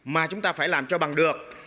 mà chúng ta phải làm cho bằng được